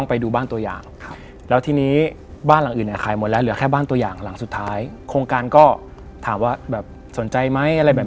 ผีกะอย่างที่เราทราบกันว่า